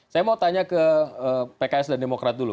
saya mau tanya ke pks dan demokrat dulu